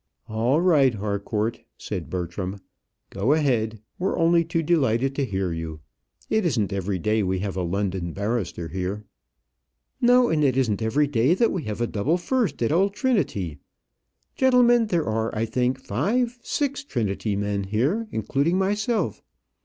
"All right, Harcourt," said Bertram. "Go ahead; we're only too delighted to hear you. It isn't every day we have a London barrister here." "No; and it isn't every day that we have a double first at old Trinity. Gentlemen, there are, I think, five, six Trinity men here including myself.